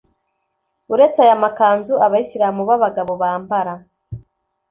Uretse aya makanzu abayislam b’abagabo bambara,